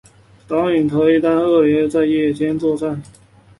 导引头亦让导弹可在恶劣天气或夜间作战。